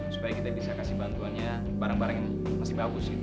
supaya kita bisa kasih bantuannya bareng barengin masih bagus gitu ya